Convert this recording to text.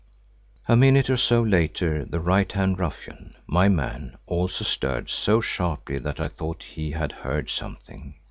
A minute or so later the right hand ruffian, my man, also stirred, so sharply that I thought he had heard something.